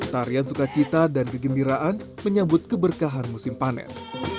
tarian sukacita dan kegembiraan menyambut keberkahan musim panen